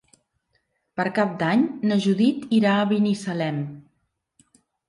Per Cap d'Any na Judit irà a Binissalem.